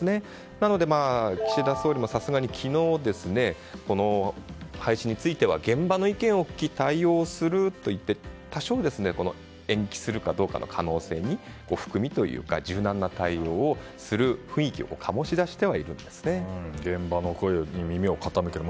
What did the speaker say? なので、岸田総理もさすがに昨日この廃止については現場の意見を聞き対応するといって多少、延期するかどうかの可能性に含みというか柔軟な対応をする雰囲気を現場の声に耳を傾ける。